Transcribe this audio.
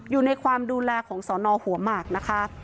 อยู่ในความดูแลของสอนอหัวหมากนะคะ